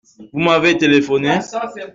Vous m’avez téléphoné ?